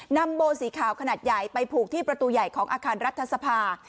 นำโบสีขาวขนาดใหญ่ไปผูกที่ประตูใหญ่ของอาคารรัฐสภา